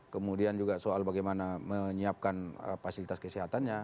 kemudian juga soal bagaimana menyiapkan fasilitas kesehatannya